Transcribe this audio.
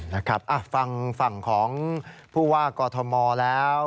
นะครับฟังฝั่งของผู้ว่ากอทมแล้ว